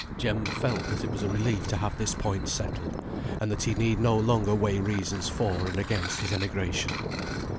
Jem felt that it was a relief to have this point settled; and that he need no longer weigh reasons for and against his emigration.